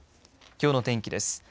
きょうの天気です。